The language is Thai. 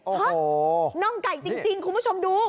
เพราะน่องไก่จริงคุณผู้ชมดู